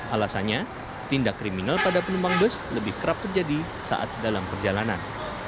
alasannya tindak kriminal pada penumpang bus lebih kerap terjadi saat dalam perjalanan